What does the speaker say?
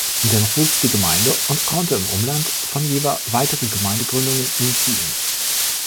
Dennoch wuchs die Gemeinde und konnte im Umland von Jever weitere Gemeindegründungen initiieren.